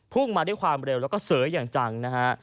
มาด้วยความเร็วแล้วก็เสยอย่างจังนะฮะ